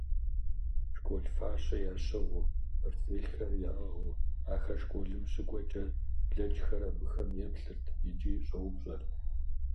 Школ фащэ ящыгъыу, портфелхэр яӀыгъыу ахэр школым щыкӀуэкӀэ, блэкӀхэр абыхэм еплъырт икӀи щӀэупщӀэрт: